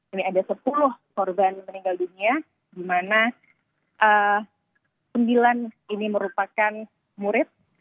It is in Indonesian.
ini ada sepuluh korban meninggal dunia di mana sembilan ini merupakan murid